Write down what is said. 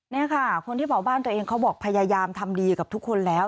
นี่ค่ะคนที่เผาบ้านตัวเองเขาบอกพยายามทำดีกับทุกคนแล้ว